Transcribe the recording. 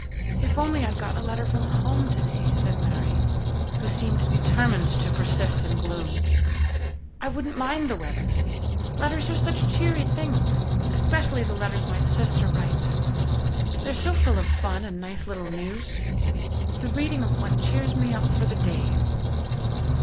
"If only I'd got a letter from home today," said Mary, who seemed determined to persist in gloom. "I wouldn't mind the weather. Letters are such cheery things: especially the letters my sister writes. They're so full of fun and nice little news. The reading of one cheers me up for the day.